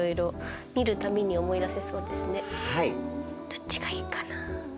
どっちがいいかな。